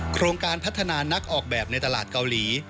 โครงการพัฒนานักออกแบบในตลาดเกาหลี